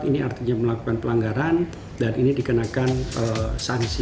ini artinya melakukan pelanggaran dan ini dikenakan sanksi